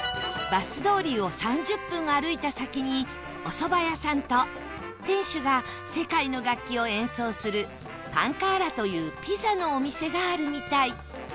バス通りを３０分歩いた先にお蕎麦屋さんと店主が世界の楽器を演奏するパンカーラというピザのお店があるみたい